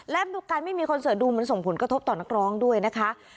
และดูการไม่มีคอนเสิร์ตดูมันส่งผลกระทบต่อนักร้องด้วยนะคะ